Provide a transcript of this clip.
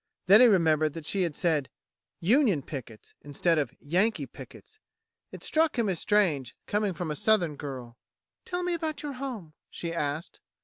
Then he remembered that she had said "Union pickets," instead of "Yankee pickets." It struck him as strange, coming from a Southern girl. "Tell me about your home," she asked.